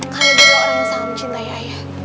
kalian berdua orang yang sangat mencintai ayah